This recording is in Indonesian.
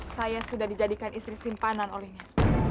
saya sudah dijadikan istri simpanan olehnya